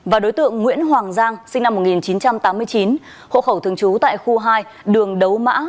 và đối tượng nguyễn hoàng giang sinh năm một nghìn chín trăm tám mươi chín hộ khẩu thường trú tại khu hai đường đấu mã